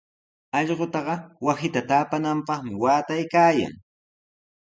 Allqutaqa wasita taapananpaqmi waataykaayan.